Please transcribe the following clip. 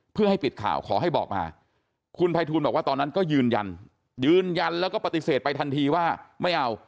เพื่อให้ปิดข่าวขอให้บอกมาคุณภัยทูลบอกว่าตอนนั้นก็ยืนยันยืนยันแล้วก็ปฏิเสธไปทันทีว่าไม่เอา